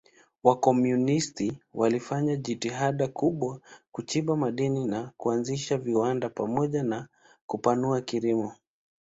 Wakomunisti walifanya jitihada kubwa kuchimba madini na kuanzisha viwanda pamoja na kupanua kilimo.